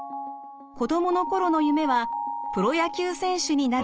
子どもの頃の夢はプロ野球選手になることでした。